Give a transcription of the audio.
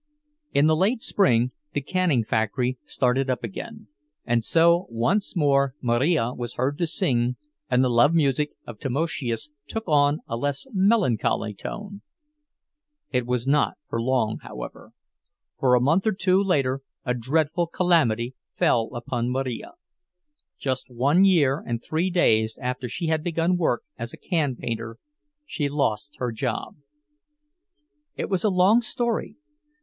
In the late spring the canning factory started up again, and so once more Marija was heard to sing, and the love music of Tamoszius took on a less melancholy tone. It was not for long, however; for a month or two later a dreadful calamity fell upon Marija. Just one year and three days after she had begun work as a can painter, she lost her job. It was a long story.